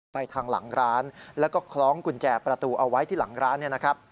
ไปทางหลังร้านแล้วก็คล้องกุญแจประตูเอาไว้ที่หลังร้าน